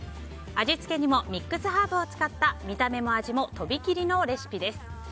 味付けにもミックスハーブを使った見た目も味もとびきりのレシピです。